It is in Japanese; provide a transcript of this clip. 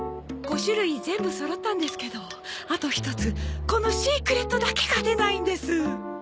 ５種類全部そろったんですけどあと一つこのシークレットだけが出ないんです。